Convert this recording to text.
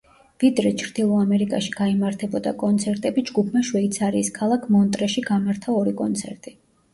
ვიდრე ჩრდილო ამერიკაში გაიმართებოდა კონცერტები, ჯგუფმა შვეიცარიის ქალაქ მონტრეში გამართა ორი კონცერტი.